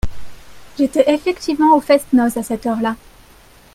J'étais effectivement au fest-noz à cette heure-là.